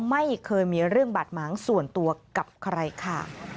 ไม่เคยมีเรื่องบาดหมางส่วนตัวกับใครค่ะ